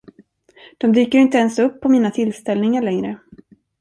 De dyker inte ens upp på mina tillställningar längre.